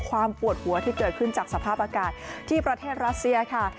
ความปวดหัวที่เกิดขึ้นจากสภาพอากาศที่ประเทศรัสเซียค่ะ